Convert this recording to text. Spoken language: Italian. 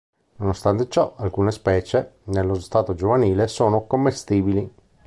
Nonostante ciò alcune specie, nello stadio giovanile, sono commestibili.